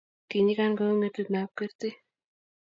kii nyigan kouu ngetundat kertii